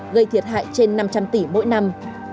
gây thiệt hại trên năm trăm linh tỷ mỗi năm